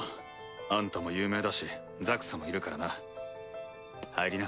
アンタも有名だしザクサもいるからな入りな。